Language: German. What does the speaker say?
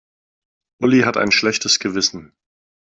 Uli hat ein schlechtes Gewissen.